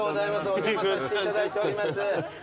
お邪魔させていただいております。